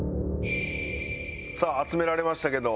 さあ集められましたけど。